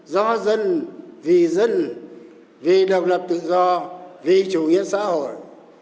do dân vì dân vì độc lập tự do vì chủ nghĩa xã hội